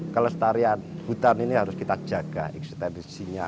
kelestarian hutan ini harus kita jaga eksistensinya